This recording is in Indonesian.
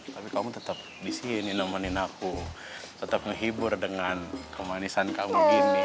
tapi kamu tetap di sini nemenin aku tetap ngehibur dengan kemanisan kamu gini